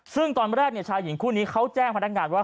ซึ่งตอนแรกชายหญิงคู่นี้เขาแจ้งพนักงานว่า